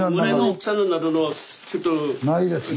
ないですね。